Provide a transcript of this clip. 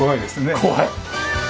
怖い！